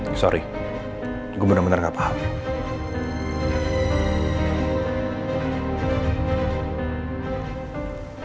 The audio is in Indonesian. maaf saya benar benar tidak paham